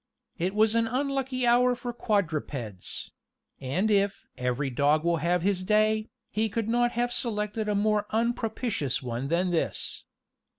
It was an unlucky hour for quadrupeds; and if "every dog will have his day," he could not have selected a more unpropitious one than this.